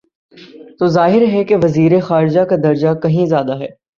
تو ظاہر ہے کہ وزیر خارجہ کا درجہ کہیں زیادہ ہے۔